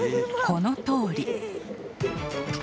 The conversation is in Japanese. このとおり。